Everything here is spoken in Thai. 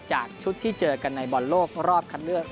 จากชุดที่เจอกันในบอลโลกรอบคันเลือก